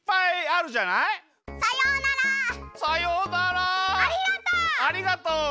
ありがとう！